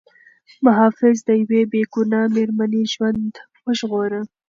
محافظ د یوې بې ګناه مېرمنې ژوند وژغوره.